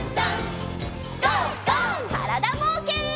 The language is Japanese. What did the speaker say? からだぼうけん。